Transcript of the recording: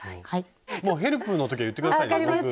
もうヘルプの時は言って下さいよ。